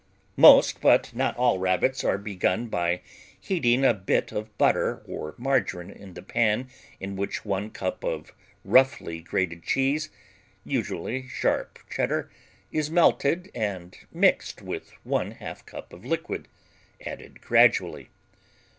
Most, but not all, Rabbits are begun by heating a bit of butter or margarine in the pan in which one cup of roughly grated cheese, usually sharp Cheddar, is melted and mixed with one half cup of liquid, added gradually.